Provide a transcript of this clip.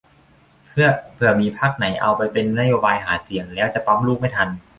เผื่อมีพรรคไหนเอาไปเป็นนโยบายหาเสียง แล้วจะปั๊มลูกไม่ทัน